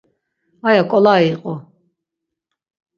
Aya ǩolai iqu.